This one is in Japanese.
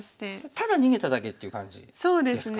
ただ逃げただけっていう感じですか。